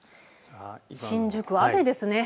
新宿は雨ですね。